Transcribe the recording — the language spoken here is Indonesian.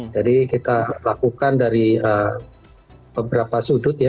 jadi kita lakukan dari beberapa sudut ya